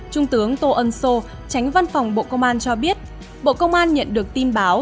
trung tướng tô ân sô tránh văn phòng bộ công an cho biết bộ công an nhận được tin báo